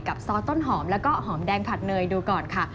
ซอสต้นหอมแล้วก็หอมแดงผัดเนยดูก่อนค่ะ